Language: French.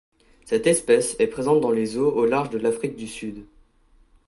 Cette espèce est présente dans les eaux au large de l'Afrique du Sud.